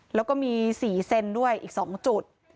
แล้วก็มี๔เซนด้วยอีก๒จุด